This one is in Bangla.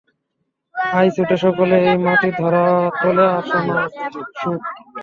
আয় ছুটে সকলে এই মাটির ধরা তলে আসো না, শুটু!